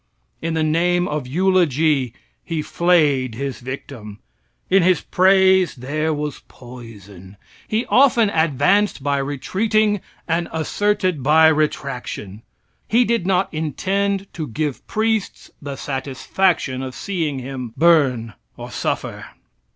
In the name of eulogy he flayed his victim. In his praise there was poison. He often advanced by retreating, and asserted by retraction. He did not intend to give priests the satisfaction of seeing him burn or suffer.